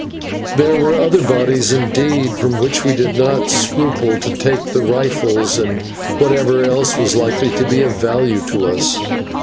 There were other bodies indeed, from which we did not scruple to take the rifles and whatever else was likely to be of value to us.